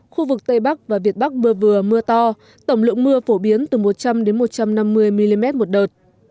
khu vực tây bắc và việt bắc mưa vừa mưa to tổng lượng mưa phổ biến từ một trăm linh một trăm năm mươi mm một đợt